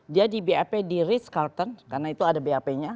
dia di bap di risk carter karena itu ada bap nya